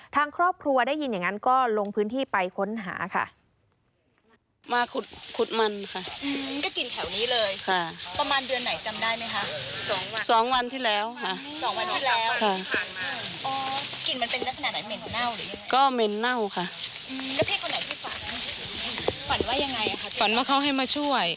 ทางครอบครัวได้ยินอย่างนั้นก็ลงพื้นที่ไปค้นหาค่ะ